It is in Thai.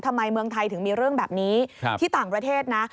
ถึงมีเรื่องแบบนี้ที่ต่างประเทศนะ